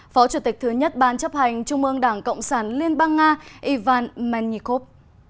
phó chủ tịch thứ nhất ban chấp hành trung ương đảng cộng sản liên bang nga ivan menikov